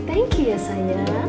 thank you ya sayang